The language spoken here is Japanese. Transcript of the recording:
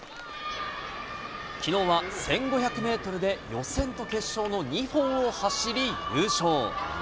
きのうは１５００メートルで、予選と決勝の２本を走り優勝。